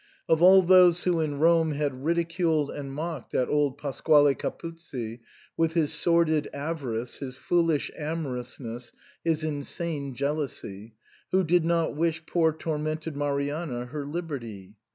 Of all those who in Rome had ridiculed and mocked at old Pasquale Capuzzi, with his sordid avarice, his foolish amorousness, his insane jealousy, who did not wish poor tormented Marianna her liberty